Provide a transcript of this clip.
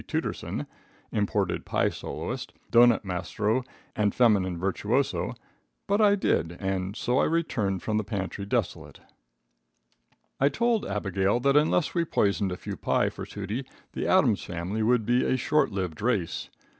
Tooterson, imported pie soloist, doughnut mastro and feminine virtuoso, but I did, and so I returned from the pantry desolate. [Illustration: A PIE SOLOIST.] I told Abigail that unless we poisoned a few pies for Tootie the Adams family would be a short lived race.